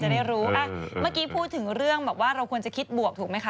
เมื่อกี้พูดถึงเรื่องแบบว่าเราควรจะคิดบวกถูกไหมคะ